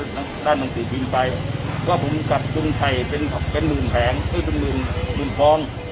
ทั้งทั้งด้านหนังสือทีมไปว่าผมกลับจุงไทยเป็นหมื่นแผงอื้อเป็นหมื่นหมื่นฟอง